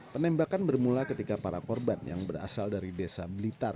penembakan bermula ketika para korban yang berasal dari desa blitar